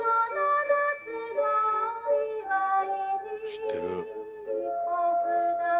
知ってる。